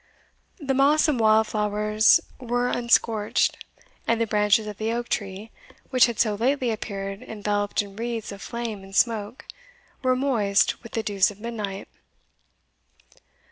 The moss and wild flowers were unscorched, and the branches of the oak tree, which had so lately appeared enveloped in wreaths of flame and smoke, were moist with the dews of midnight.